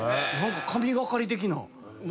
何か神がかり的な。